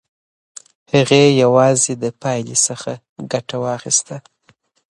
هغې یوازې د پایلې څخه ګټه واخیسته.